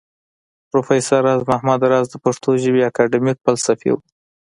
پروفېسر راز محمد راز د پښتو ژبى اکېډمک فلسفى و